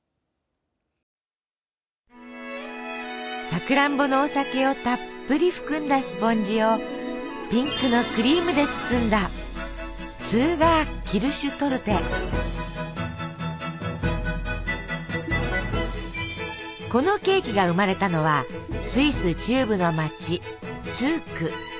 さくらんぼのお酒をたっぷり含んだスポンジをピンクのクリームで包んだこのケーキが生まれたのはスイス中部の街ツーク。